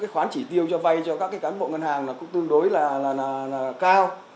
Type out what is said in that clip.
khoán chỉ tiêu cho vay cho các cán bộ ngân hàng cũng tương đối là cao